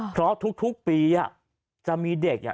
เพราะทุกปีอ่ะจะมีเด็กอ่ะ